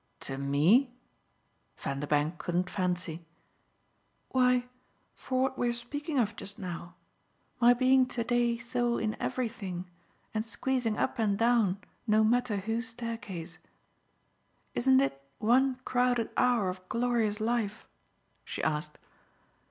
"To me?" Vanderbank couldn't fancy! "Why, for what we were speaking of just now my being to day so in everything and squeezing up and down no matter whose staircase. Isn't it one crowded hour of glorious life?" she asked.